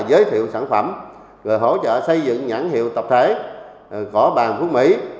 giới thiệu sản phẩm hỗ trợ xây dựng nhãn hiệu tập thể cỏ bàn phú mỹ